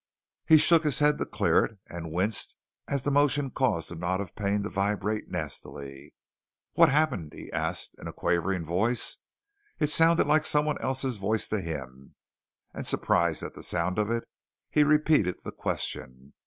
He shook his head to clear it and winced as the motion caused the knot of pain to vibrate nastily. "What happened?" he asked in a quavering voice. It sounded like someone else's voice to him, and surprised at the sound of it he repeated the question.